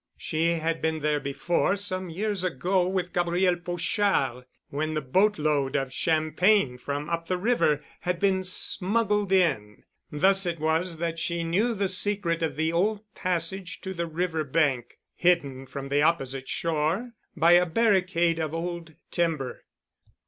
She had been there before some years ago with Gabriel Pochard, when the boat load of champagne from up the river had been smuggled in. Thus it was that she knew the secret of the old passage to the river bank, hidden from the opposite shore by a barricade of old timber.